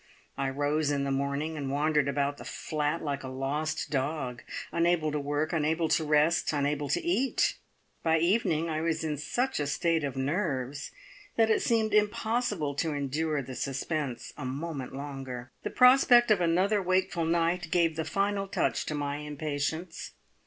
I rose in the morning, and wandered about the flat like a lost dog, unable to work, unable to rest, unable to eat. By evening I was in such a state of nerves that it seemed impossible to endure the suspense a moment longer. The prospect of another wakeful night gave the final touch to my impatience.